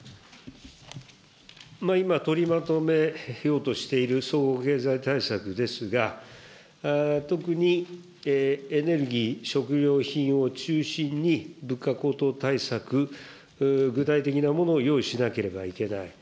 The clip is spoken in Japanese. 今、取りまとめようとしている総合経済対策ですが、特にエネルギー、食料費用中心に物価高騰対策、具体的なものを用意しなければいけない。